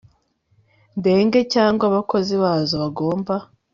ndege cyangwa abakozi bazo bagomba